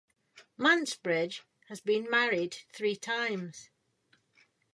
Mansbridge has been married three times.